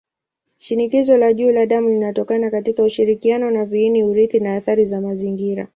Shinikizo la juu la damu linatokana katika ushirikiano wa viini-urithi na athari za mazingira.